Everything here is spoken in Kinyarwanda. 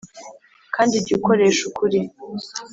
kandi jya ukoresha ukuri